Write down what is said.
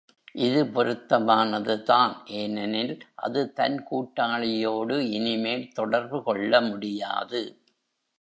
இது பொருத்தமானது தான் ஏனெனில், அது தன் கூட்டாளியோடு இனிமேல் தொடர்பு கொள்ள முடியாது.